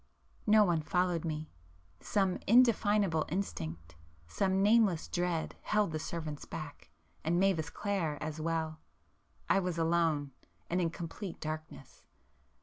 No one followed me,—some indefinable instinct, some nameless dread, held the servants back, and Mavis Clare as well. I was alone, ... and in complete darkness.